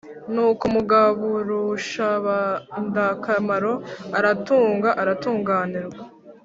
nuko mugaburushabandakamaro aratunga aratunganirwa.